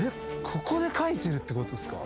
ここで描いてるってことっすか？